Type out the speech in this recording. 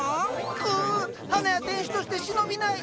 くぅ花屋店主として忍びない！